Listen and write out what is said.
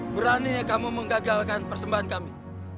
berani kamu menggagalkan persembahan kami